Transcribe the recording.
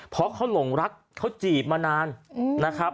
เพราะเขาหลงรักเขาจีบมานาน